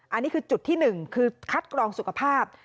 อันนี้คือจุดที่๑คือคัดกรองสุขภาพ